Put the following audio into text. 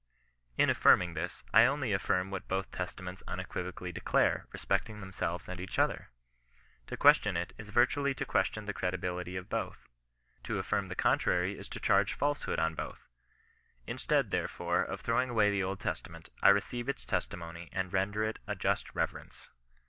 In affirming this, I only affirm what both Testa ments unequivocally declare respecting themselves and each other. To question it is virtually to question the credibility of both. To affirm the contrary is to charge falsehood on both. Instead, therefore, of throwing away the Old Testament, I receive its testimony and render it a just reverence.